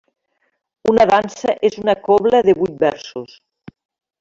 Una dansa és una cobla de vuit versos.